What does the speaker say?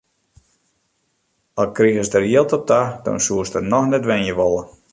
Al krigest der jild op ta, dan soest der noch net wenje wolle.